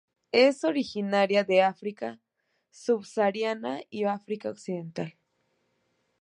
Es originaria de África subsahariana y África oriental.